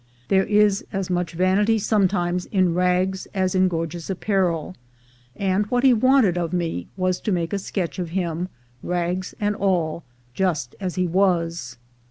There is as much vanity sometimes in rags as in gorgeous apparel; and what he wanted of me was to make a sketch of him, rags and all, just as he was.